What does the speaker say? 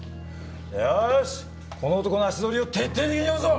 よしこの男の足取りを徹底的に追うぞ！